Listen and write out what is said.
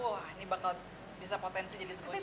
wah ini bakal bisa potensi jadi sebuah jalan